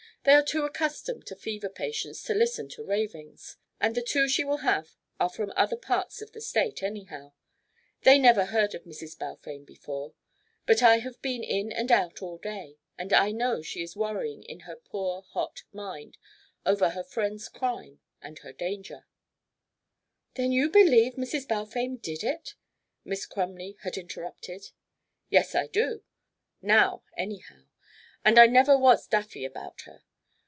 They are too accustomed to fever patients to listen to ravings, and the two she will have are from other parts of the State, anyhow. They never heard of Mrs. Balfame before. But I have been in and out all day, and I know she is worrying in her poor hot mind both over her friend's crime and her danger " "Then you believe Mrs. Balfame did it?" Miss Crumley had interrupted. "Yes, I do now, anyhow; and I never was daffy about her.